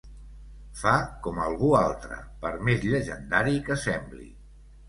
Fa com algú altre, per més llegendari que sembli.